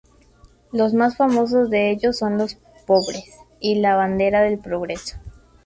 Los más famosos de ellos son los "pobres" y la "bandera del progreso".